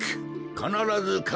かならずかえる！